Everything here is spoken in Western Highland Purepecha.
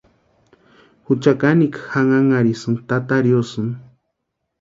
Jucha kanikwa janhanharhisïnka tata riosïni.